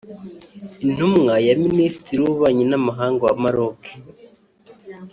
Intumwa ya Minisitiri w’Ububanyi n’Amahanga wa Maroc